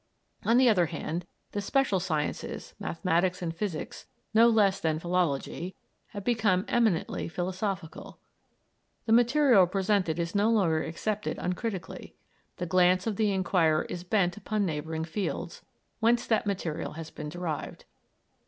On the other hand, the special sciences, mathematics and physics, no less than philology, have become eminently philosophical. The material presented is no longer accepted uncritically. The glance of the inquirer is bent upon neighboring fields, whence that material has been derived.